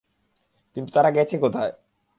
কিন্তু তারা গেছে কোথায়?